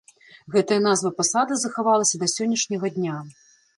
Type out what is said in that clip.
Гэтая назва пасады захавалася да сённяшняга дня.